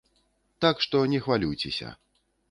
Так што не хвалюйцеся.